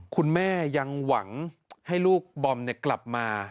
คุณแม่ยังหวังให้ลูกบอมกลับมา